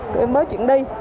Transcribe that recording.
tụi em mới chuyển đi